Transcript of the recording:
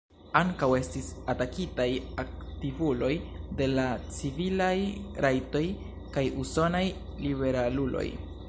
Ankaŭ estis atakitaj aktivuloj de la civilaj rajtoj kaj usonaj liberaluloj.